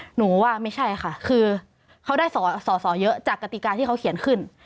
หนูว่าไม่ใช่ค่ะคือเขาได้สอสอเยอะจากกติกาที่เขาเขียนขึ้น